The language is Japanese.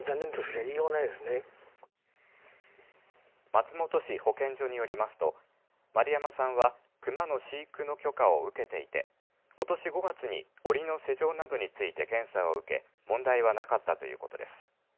松本市保健所によりますと丸山さんはクマの飼育の許可を受けていて、ことし５月におりの施錠などについて検査を受け問題はなかったということです。